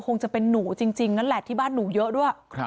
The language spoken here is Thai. คงจะเป็นหนูจริงนั่นแหละที่บ้านหนูเยอะด้วย